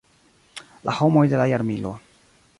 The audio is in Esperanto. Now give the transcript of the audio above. La homoj de la jarmilo.